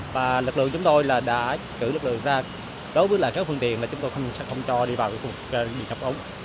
và lực lượng chúng tôi là đã cử lực lượng ra đối với các phương tiện chúng tôi không cho đi vào phương tiện bị ngập ốm